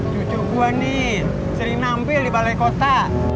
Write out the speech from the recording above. duduk gua nih sering nampil di balai kota